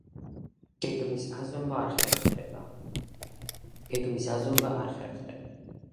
გეგმის აზომვა არ ხერხდება.